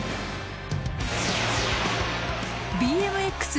ＢＭＸ